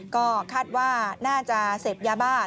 ก็คาดว่าน่าจะเสพยาบ้า